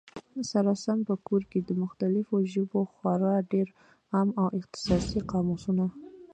سره سم په کور کي، د مختلفو ژبو خورا ډېر عام او اختصاصي قاموسونه